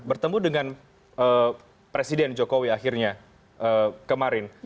bertemu dengan presiden jokowi akhirnya kemarin